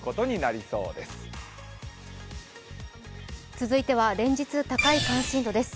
続いては連日、高い関心度です。